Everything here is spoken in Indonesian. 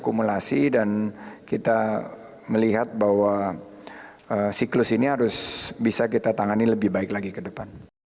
akumulasi dan kita melihat bahwa siklus ini harus bisa kita tangani lebih baik lagi ke depan